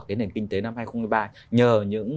cái nền kinh tế năm hai nghìn một mươi ba nhờ những